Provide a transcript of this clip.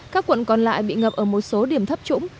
các quận còn lại bị ngập ở một số điểm thấp trũng